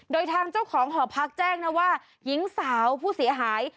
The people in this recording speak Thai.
โดยทางเจ้าของหอพักแจ้งนะว่าหญิงสาวผู้เสียหาย